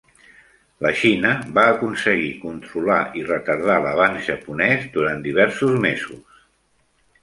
La Xina va aconseguir controlar i retardar l'avanç japonès durant diversos mesos.